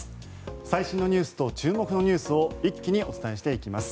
最新ニュースと注目のニュースを一気にお伝えしていきます。